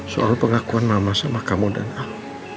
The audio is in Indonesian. soal pengakuan mama sama kamu dan aku